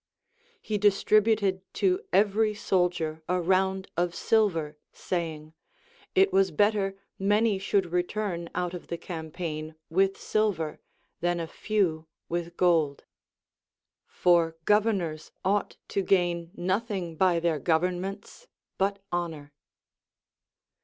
He distributed to every soldier a round of silver, saying, It was better many should return out of the campaign Avith silver than a few with gold ; for governors ought to gain nothing by their governments but honor.